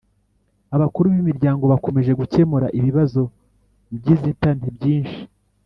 abakuru b' imiryango bakomeje gukemura ibibazo by' inzitane byinshi